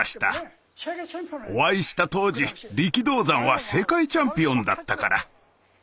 お会いした当時力道山は世界チャンピオンだったから。